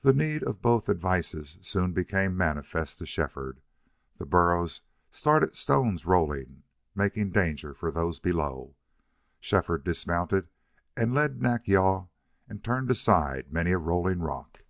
The need of both advices soon became manifest to Shefford. The burros started stones rolling, making danger for those below. Shefford dismounted and led Nack yal and turned aside many a rolling rock.